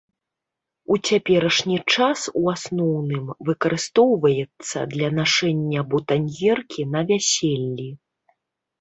У цяперашні час, у асноўным, выкарыстоўваецца для нашэння бутаньеркі на вяселлі.